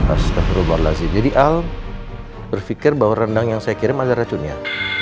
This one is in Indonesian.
astaghfirullahaladzim jadi al berfikir bahwa rendang yang saya kirim ada racunnya